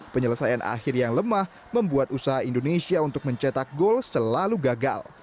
penyelesaian akhir yang lemah membuat usaha indonesia untuk mencetak gol selalu gagal